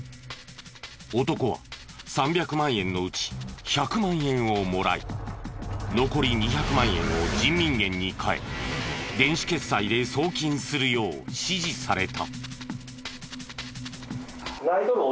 男は３００万円のうち１００万円をもらい残り２００万円を人民元に替え電子決済で送金するよう指示された。